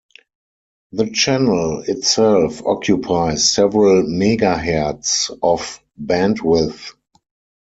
The channel itself occupies several megahertz of bandwidth.